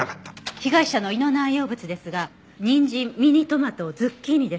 被害者の胃の内容物ですがにんじんミニトマトズッキーニでした。